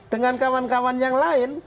dengan kawan kawan yang lain